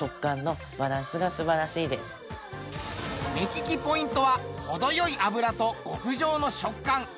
目利きポイントは程良い脂と極上の食感。